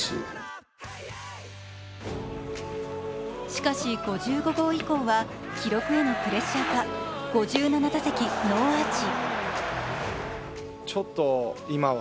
しかし、５５号以降は記録へのプレッシャーか５７打席ノーアーチ。